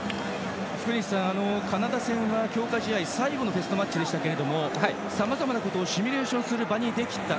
福西さん、カナダ戦は強化試合、最後のテストマッチでさまざまなことをシミュレーションする場にできた。